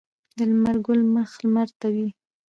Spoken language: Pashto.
د لمر ګل مخ لمر ته وي.